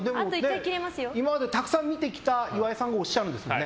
今までたくさん見てきた岩井さんがおっしゃるんですよね。